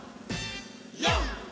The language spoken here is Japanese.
４！